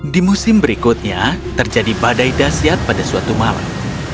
di musim berikutnya terjadi badai dasyat pada suatu malam